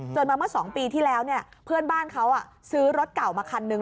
มาเมื่อ๒ปีที่แล้วเนี่ยเพื่อนบ้านเขาซื้อรถเก่ามาคันนึง